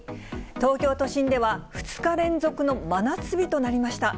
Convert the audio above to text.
東京都心では２日連続の真夏日となりました。